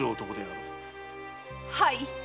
はい。